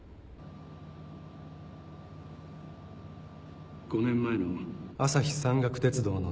５年前の朝日山岳鉄道の脱線事故。